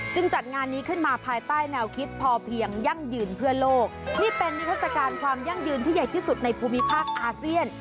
จัดงานนี้ขึ้นมาภายใต้แนวคิดพอเพียงยั่งยืนเพื่อโลกนี่เป็นนิทัศกาลความยั่งยืนที่ใหญ่ที่สุดในภูมิภาคอาเซียน